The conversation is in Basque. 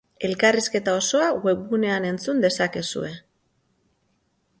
Elkarrizketa osoa webgunean entzun dezakezue.